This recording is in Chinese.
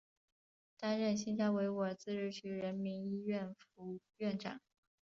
担任新疆维吾尔自治区人民医院副院长。